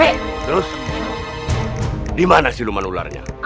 terus di mana siluman ularnya